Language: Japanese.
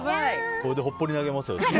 それでほっぽり投げますよ